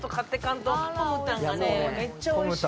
めっちゃおいしい。